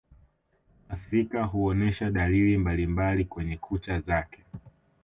Muathirika huonesha dalili mbalimbali kwenye kucha zake